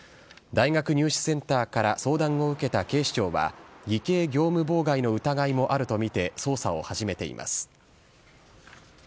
大学入試センターから相談を受けた警視庁は、偽計業務妨害の疑いもあると見て、捜査を始めています。